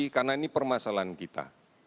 karena ini permasalahan kita